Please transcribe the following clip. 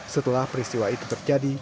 setelah peristiwa itu terjadi